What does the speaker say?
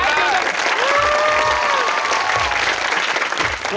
มาใช้ค่ะ